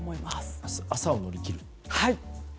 明日朝を乗り切ると。